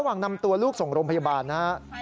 ระหว่างนำตัวลูกส่งโรงพยาบาลนะครับ